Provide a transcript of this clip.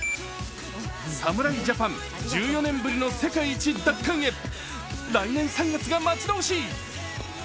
侍ジャパン１４年ぶりの世界一奪還へ、来年３月が待ち遠しい。